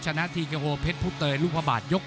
ชนะทีเกฮอลเพชรพุตเตยลูกพระบาทยก๔